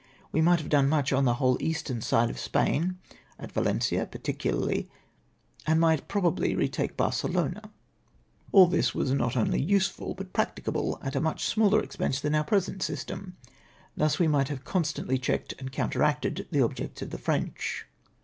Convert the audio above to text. We might have done much on the whole eastern side of Spain — at Valencia particularly, and might probably retake Barcelona. All this was not only useful, but prac ticable at a much smaller expense than our present system. Thus we might have constantly checked and counteracted the objects of the French.